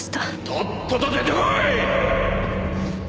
とっとと出てこい！！